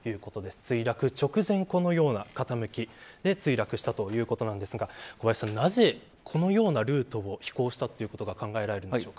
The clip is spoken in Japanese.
墜落直前、このような傾きで墜落したということなんですが小林さん、なぜこのようなルートを飛行したということが考えられるんでしょうか。